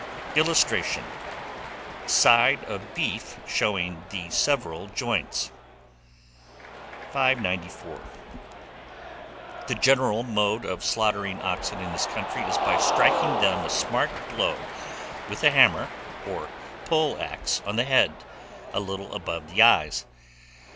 [Illustration: SIDE OF BEEF, SHOWING THE SEVERAL JOINTS.] 594. The general Mode of Slaughtering Oxen in this country is by striking them a smart blow with a hammer or poleaxe on the head, a little above the eyes.